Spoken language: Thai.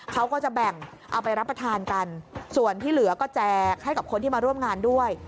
เขาก็จะแบ่งเอาไปรับประทานกันส่วนที่เหลือก็แจกให้กับคนที่มาร่วมงานด้วย